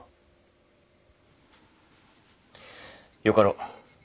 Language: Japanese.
よかろう。